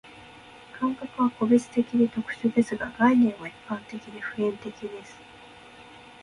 感覚は個別的で特殊ですが、概念は一般的で普遍的です。